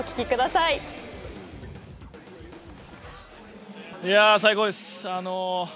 いやあ、最高です。